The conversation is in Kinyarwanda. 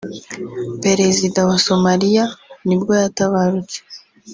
perezida wa Somalia nibwo yatabarutse